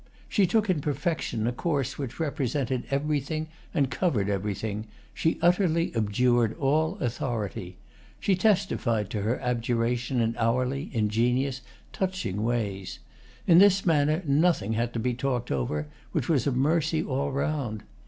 She took in perfection a course which represented everything and covered everything; she utterly abjured all authority. She testified to her abjuration in hourly ingenious, touching ways. In this manner nothing had to be talked over, which was a mercy all round.